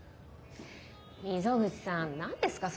溝口さん何ですか？